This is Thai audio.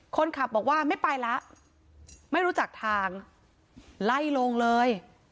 คนขับบอกว่าไม่ไปแล้วไม่รู้จักทางไล่ลงเลย